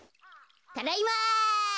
ただいま！